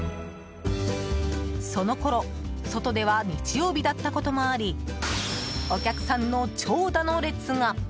そのころ、外では日曜日だったこともありお客さんの長蛇の列が。